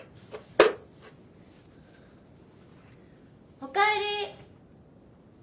・・おかえり。